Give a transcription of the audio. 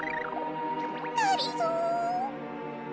がりぞー。